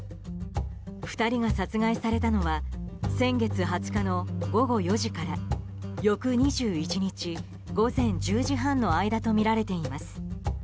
２人が殺害されたのは先月２０日の午後４時から翌２１日午前１０時半の間とみられています。